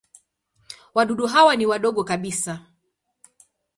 Wadudu hawa ni wadogo kabisa.